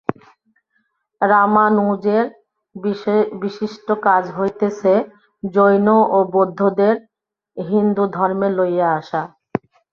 রামানুজের বিশিষ্ট কাজ হইতেছে জৈন ও বৌদ্ধদের হিন্দুধর্মে লইয়া আসা।